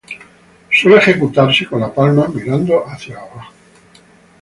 Suele ejecutarse con la palma mirando hacia abajo.